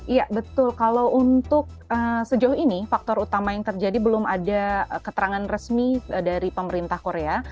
iya betul kalau untuk sejauh ini faktor utama yang terjadi belum ada keterangan resmi dari pemerintah korea